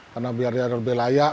karena biar lebih layak